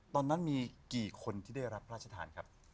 ตอนนั้นมีกี่คนที่ได้รับพระราชทานครับ